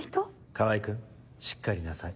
川合君しっかりなさい